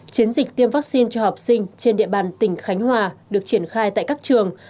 chiến dịch tiêm vaccine cho học sinh trên địa bàn tỉnh khánh hòa được triển khai tại các trường